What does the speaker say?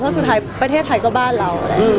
เพราะสุดท้ายประเทศไทยก็บ้านเราแหละ